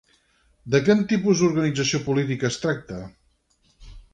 De quin tipus d'organització política es tracta?